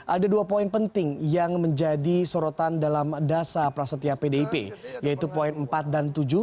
ada dua poin penting yang menjadi sorotan dalam dasar prasetya pdip yaitu poin empat dan tujuh